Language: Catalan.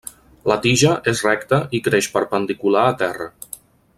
La tija és recta i creix perpendicular a terra.